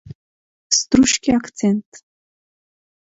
Struski akcent